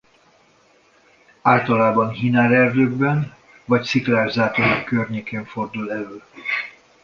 Általában hínár erdőkben vagy sziklás zátonyok környékén fordul elő.